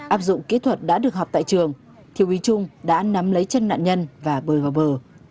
áp dụng kỹ thuật đã được học tại trường thiếu úy trung đã nắm lấy chân nạn nhân và bơi vào bờ